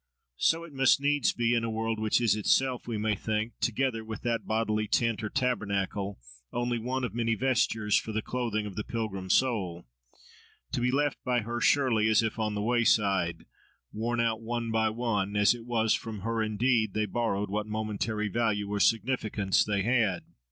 So it must needs be in a world which is itself, we may think, together with that bodily "tent" or "tabernacle," only one of many vestures for the clothing of the pilgrim soul, to be left by her, surely, as if on the wayside, worn out one by one, as it was from her, indeed, they borrowed what momentary value or significance they had.